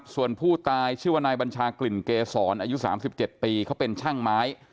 ส่วนผู้ตายชื่อว่านายบัญชากลิ่นเกษรอายุ๓๗ปีเขาเป็นช่างไม้